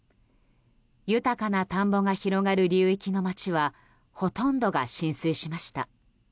豊かな田んぼが広がる流域の町はほとんどが浸水しました。